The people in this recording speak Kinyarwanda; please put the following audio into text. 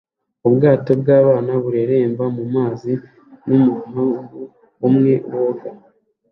Ubwato bw'abana bureremba mu mazi n'umuhungu umwe woga